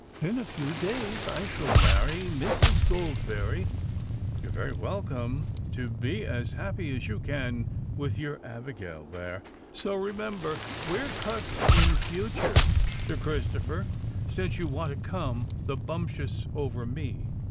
In a few days I shall marry Mrs. Goldberry—you are very welcome to be as happy as you can with your Abigail there. So remember, we're cuts in future, Sir Christopher—since you want to come the bumptious over me."